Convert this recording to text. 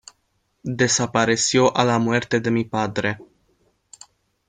desapareció a la muerte de mi padre.